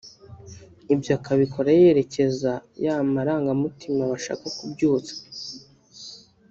Ibyo akabikora yerekeza ya marangamutima bashaka kubyutsa